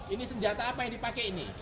ini senjata apa yang dipakai ini